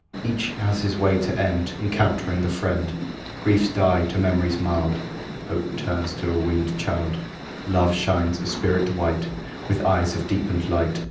Each has his way to end, Encountering this friend. Griefs die to memories mild; Hope turns a weanèd child; Love shines a spirit white, With eyes of deepened light.